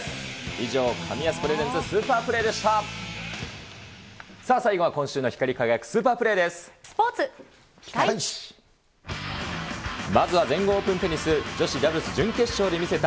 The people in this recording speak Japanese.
以上、カミヤスプレゼンツスーパープレーでした。